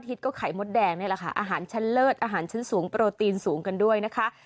ไข่มดแดงนี่แหละค่ะอาหารชั้นเลิศอาหารชั้นสูงโปรตีนสูงกันด้วยนะคะ